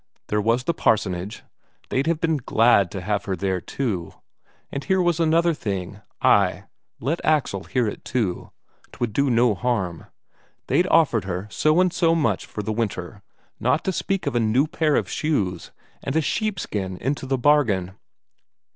There was the parsonage they'd have been glad to have her there, too. And here was another thing ay, let Axel hear it too, 'twould do no harm they'd offered her so and so much for the winter, not to speak of a new pair of shoes and a sheepskin into the bargain.